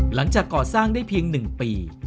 หลังจากก่อสร้างได้เพียง๑ปี